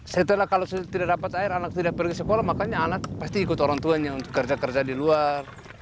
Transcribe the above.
setelah kalau sudah tidak dapat air anak tidak pergi ke sekolah makanya anak pasti ikut orang tuanya untuk kerja kerja di luar